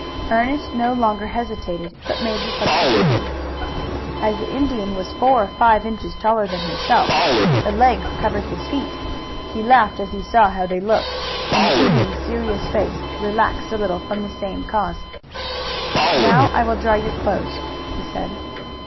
Ernest no longer hesitated, but made the substitution. As the Indian was four or five inches taller than himself, the legs covered his feet. He laughed as he saw how they looked, and the Indian's serious face relaxed a little from the same cause. "Now I will dry your clothes," he said.